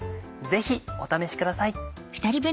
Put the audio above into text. ぜひお試しください。